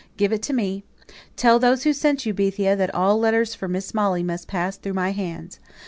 Give it to me. Tell those who sent you, Bethia, that all letters for Miss Molly must pass through my hands.